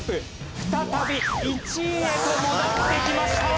再び１位へと戻ってきました。